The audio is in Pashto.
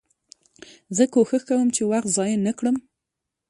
زه کوښښ کوم، چي وخت ضایع نه کړم.